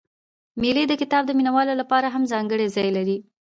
مېلې د کتاب د مینه والو له پاره هم ځانګړى ځای لري.